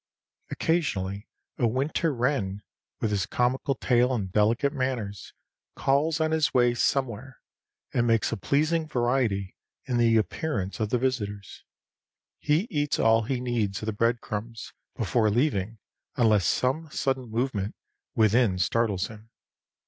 Occasionally a winter wren, with his comical tail and delicate manners, calls on his way somewhere, and makes a pleasing variety in the appearance of the visitors. He eats all he needs of the bread crumbs before leaving, unless some sudden movement within startles him.